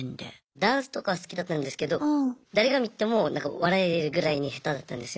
ダンスとかは好きだったんですけど誰が見ても笑えるぐらいに下手だったんですよ。